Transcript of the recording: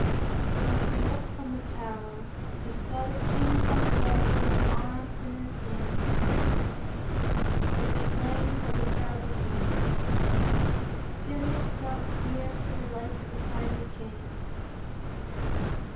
As he looked from the tower he saw the king come forth with arms in his hands for the slaying of the terrible beast. Peleus felt fear for the life of the kindly king.